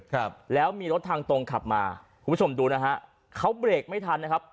ครับแล้วมีรถทางตรงขับมาคุณผู้ชมดูนะฮะเขาเบรกไม่ทันนะครับ